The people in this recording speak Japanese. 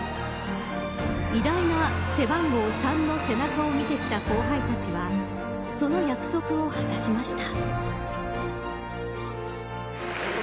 偉大な背番号３の背中を見てきた後輩たちはその約束を果たしました。